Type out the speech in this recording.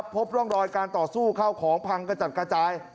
พบร่องรอยการต่อสู้เข้าของพังกระจัดกระจาย